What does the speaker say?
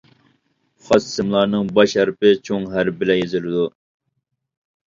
خاس ئىسىملارنىڭ باش ھەرپى چوڭ ھەرپ بىلەن يېزىلىدۇ.